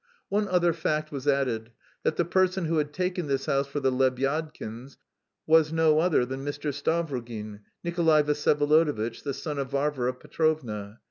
One other fact was added: that the person who had taken this house for the Lebyadkins was no other than Mr. Stavrogin, Nikolay Vsyevolodovitch, the son of Varvara Petrovna.